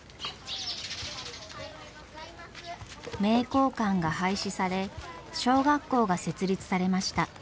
名教館が廃止され小学校が設立されました。